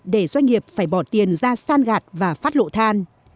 để doanh nghiệp phải bỏ tiền ra san gạt và phát lộ than